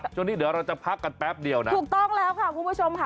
ช่วงนี้เดี๋ยวเราจะพักกันแป๊บเดียวนะถูกต้องแล้วค่ะคุณผู้ชมค่ะ